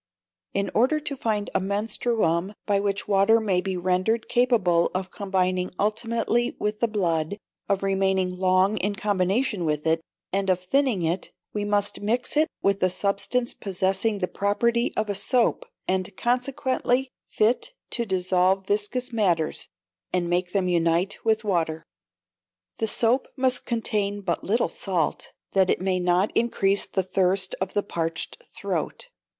In order to find a menstruum by which water may be rendered capable of combining ultimately with the blood, of remaining long in combination with it, and of thinning it, we must mix it with a substance possessing the property of a soap, and consequently fit to dissolve viscous matters, and make them unite with water. The soap must contain but little salt, that it may not increase the thirst of the parched throat.